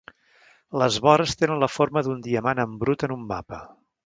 Les vores tenen la forma d'un diamant en brut en un mapa.